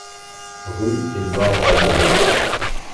Rue Édouard Vaillant.